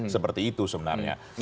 seperti itu sebenarnya